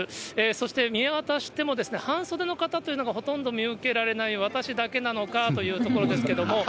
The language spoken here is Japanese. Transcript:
そして見渡しても半袖の方というのがほとんど見受けられない、私だけなのかというところですけれども。